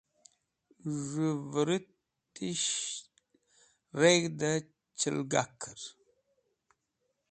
Z̃hũ vũrũtish reg̃hdi chilgaker.